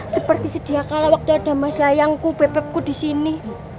seperti sediakan waktu ada mas sayangku bebekku disini